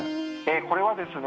これはですね